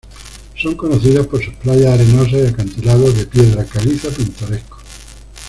Son conocidas por sus playas arenosas y acantilados de piedra caliza pintorescos.